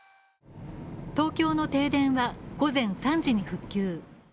東京の停電は午前３時に復旧。